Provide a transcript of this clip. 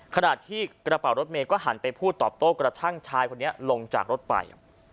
ขณะที่กระเป๋ารถเมย์ก็หันไปพูดตอบโต้กระทั่งชายคนนี้ลงจากรถไป